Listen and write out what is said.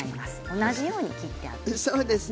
同じように切ってあります。